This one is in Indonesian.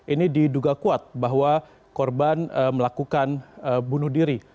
ini diduga kuat bahwa korban melakukan bunuh diri